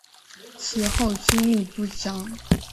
其后经历不详。